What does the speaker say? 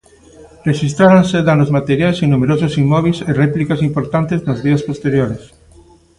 Rexistráranse danos materiais en numerosos inmóbeis e réplicas importantes nos días posteriores.